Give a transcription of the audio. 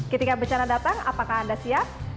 ketika bencana datang apakah anda siap